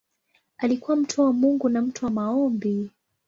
Alikuwa mtu wa Mungu na mtu wa maombi.